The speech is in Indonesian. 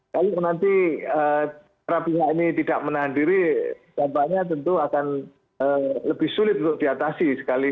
kalau nanti para pihak ini tidak menahan diri dampaknya tentu akan lebih sulit untuk diatasi sekali